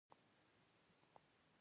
بلوچستان ته ځم او تبلیغ کوم.